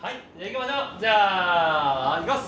じゃあいきます。